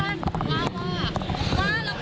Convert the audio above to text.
หว่าเป็นอะไร